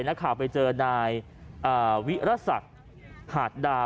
นักข่าวไปเจอนายวิรสักหาดดา